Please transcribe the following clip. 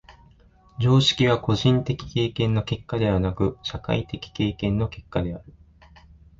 常識は個人的経験の結果でなく、社会的経験の結果である。